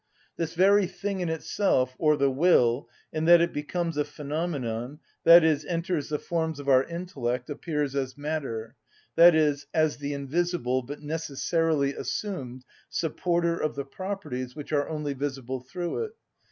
This very thing in itself, or the will, in that it becomes a phenomenon, i.e., enters the forms of our intellect, appears as matter, i.e., as the invisible but necessarily assumed supporter of the properties which are only visible through it.